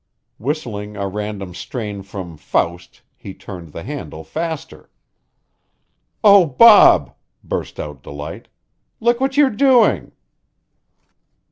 Whistling a random strain from Faust he turned the handle faster. "Oh, Bob!" burst out Delight. "Look what you're doing."